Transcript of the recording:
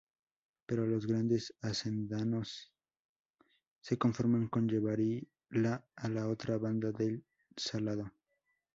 Pero los grandes hacendados se conformaban con llevarla a la otra banda del Salado.